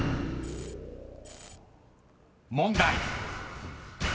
［問題］